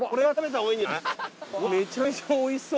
うわっめちゃめちゃおいしそう。